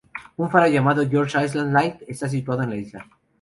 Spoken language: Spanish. Un faro llamado George Island Light está situado en la isla.